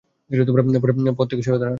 পথ থেকে সরে দাঁড়ান!